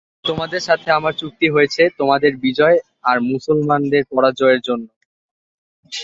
আর তোমাদের সাথে আমার চুক্তি হয়েছে তোমাদের বিজয় আর মুসলমানদের পরাজয়ের জন্য।